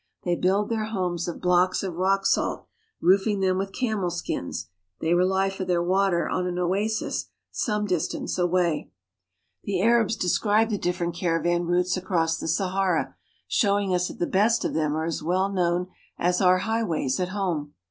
They build their homes of >k)cks of rock salt, roofing them with camel skins ; they [y for their water on an oasis some distance away, CABP. AFRICA — S 70 AFRICA The Arabs describe the different caravan routes across the Sahara, showing us that the best of them are as well known as our highways at home.